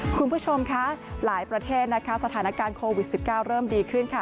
คุณผู้ชมคะหลายประเทศนะคะสถานการณ์โควิด๑๙เริ่มดีขึ้นค่ะ